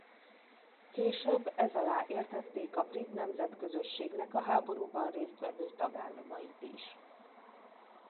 Később ez alá értették a Brit Nemzetközösségnek a háborúban részt vevő tagállamait is.